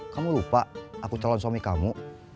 kamu lupa aku calon suami kamu